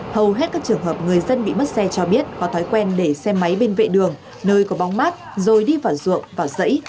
hầu hết các trường hợp người dân bị mất xe cho biết có thói quen để xe máy bên vệ đường nơi có bóng mát rồi đi vào ruộng và dãy